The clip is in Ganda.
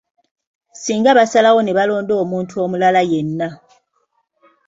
Singa basalawo ne balonda omuntu omulala yenna.